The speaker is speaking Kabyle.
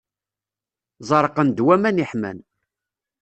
Zerqen-d waman iḥman.